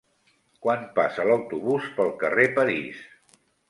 Quan passa l'autobús pel carrer París?